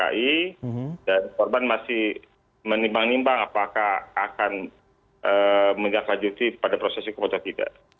dan korban masih menimbang nimbang apakah akan menjadikan lanjuti pada prosesnya kepocah tidak